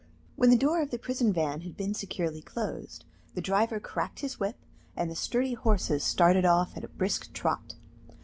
When the door of the prison van had been securely closed, the driver cracked his whip, and the sturdy horses started off at a brisk trot.